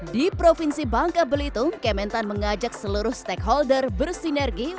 di provinsi bangka belitung kementan mengajak seluruh stakeholder bersinergi